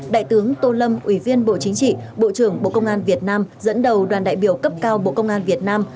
đại tướng tô lâm ủy viên bộ chính trị bộ trưởng bộ công an việt nam dẫn đầu đoàn đại biểu cấp cao bộ công an việt nam